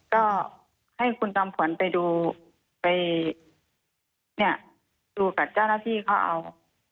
ก็ให้คุณจอมขวัญไปดูกับเจ้าหน้าพี่เขาเอา